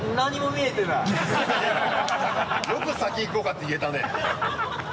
よく「先行こうか」って言えたね。